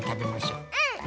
うん！